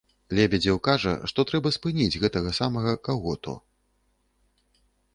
Лебедзеў кажа, што трэба спыніць гэтага самага каго-то.